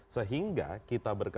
sehingga kita berkesimpulan dan berpikir